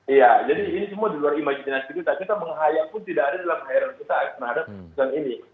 iya jadi ini semua di luar imajinasi kita kita menghayap pun tidak ada dalam air kita terhadap keputusan ini